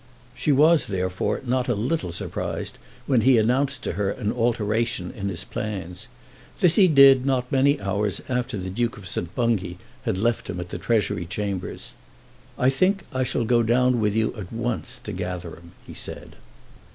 She was, therefore, not a little surprised when he announced to her an alteration in his plans. This he did not many hours after the Duke of St. Bungay had left him at the Treasury Chambers. "I think I shall go down with you at once to Gatherum," he said.